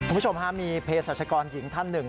คุณผู้ชมฮะมีเพศรัชกรหญิงท่านหนึ่ง